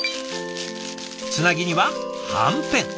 つなぎにははんぺん。